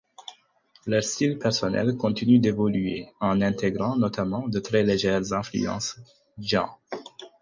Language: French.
Leur style personnel continue d'évoluer en intégrant notamment de très légères influences djent.